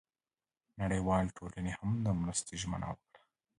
نړیوالې ټولنې هم د مرستې ژمنه وکړه.